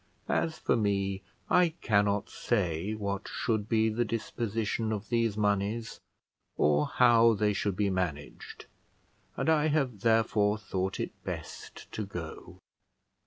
As for me, I cannot say what should be the disposition of these moneys, or how they should be managed, and I have therefore thought it best to go."